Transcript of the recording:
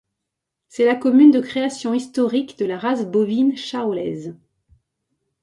C'est la commune de création historique de la race bovine charolaise.